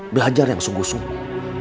belajar yang sungguh sungguh